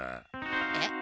えっ？